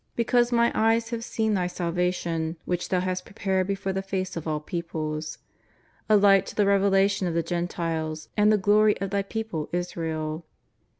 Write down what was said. Because my eyes have seen Thy salv:.tion, which Thou hast prepared before the face of all peoples : a light to the revelation of the Gen tiles, and the glory o: Thy people Israel."